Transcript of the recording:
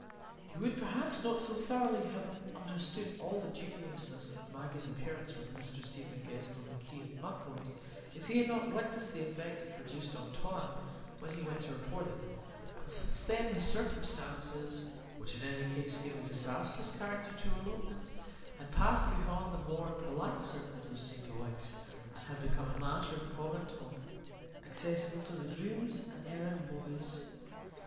He would perhaps not so thoroughly have understood all the dubiousness of Maggie's appearance with Mr Stephen Guest on the quay at Mudport if he had not witnessed the effect it produced on Tom when he went to report it; and since then, the circumstances which in any case gave a disastrous character to her elopement had passed beyond the more polite circles of St Ogg's, and had become matter of common talk, accessible to the grooms and errand boys.